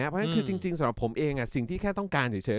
เพราะฉะนั้นสำหรับผมเองที่แค่ต้องการเฉย